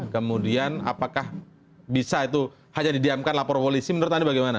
kemudian apakah bisa itu hanya didiamkan lapor polisi menurut anda bagaimana